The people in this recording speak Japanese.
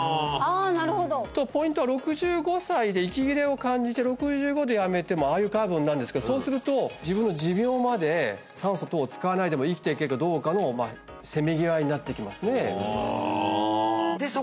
あなるほどポイントは６５歳で息切れを感じて６５でやめてもああいうカーブになるんですけどそうすると自分の寿命まで酸素等を使わないでも生きていけるかどうかのせめぎ合いになってきますねで